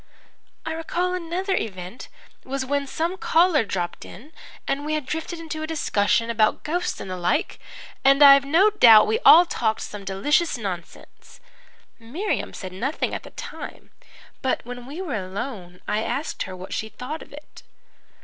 "I recall another event was when some caller dropped in and we had drifted into a discussion about ghosts and the like and I've no doubt we all talked some delicious nonsense. Miriam said nothing at the time, but when we were alone I asked her what she thought of it.